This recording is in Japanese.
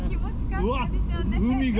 うわ、海が！